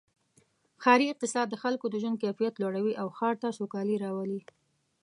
ښاري اقتصاد د خلکو د ژوند کیفیت لوړوي او ښار ته سوکالي راولي.